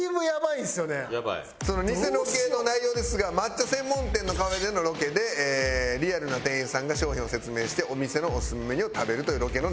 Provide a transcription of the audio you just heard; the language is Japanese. そのニセロケの内容ですが抹茶専門店のカフェでのロケでリアルな店員さんが商品を説明してお店のオススメメニューを食べるというロケの流れでございますね。